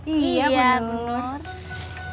iya bu nur